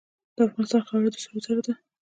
د افغانستان خاوره د سرو زرو ده.